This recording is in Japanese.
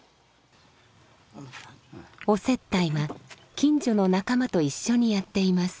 お接待は近所の仲間と一緒にやっています。